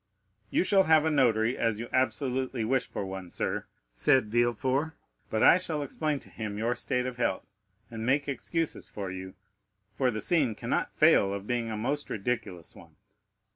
"You shall have a notary, as you absolutely wish for one, sir," said Villefort; "but I shall explain to him your state of health, and make excuses for you, for the scene cannot fail of being a most ridiculous one."